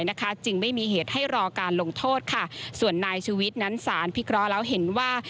กฎหมายนะคะจึงไม่มีเหตุให้รอการลงโทษค่ะส่วนนายชีวิตนั้นสารพิกร้อแล้วเห็นว่า